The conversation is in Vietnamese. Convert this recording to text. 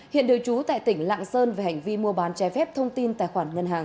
hiện đều trú tại tỉnh lạng sơn và huyện cần giờ